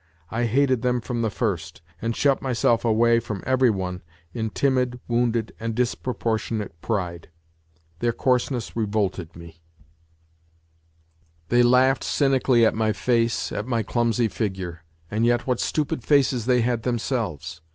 I hated them from the first, and shut myself away from every one in timid, wounded and disproportionate pride. Their coarseness revolted 102 NOTES FROM UNDERGROUND me. They laughed cynically at my face, at my clumsy figure ; and yet what stupid faces they had themselves.